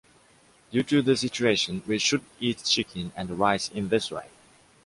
Due to the situation, We should eat chicken and rice in this way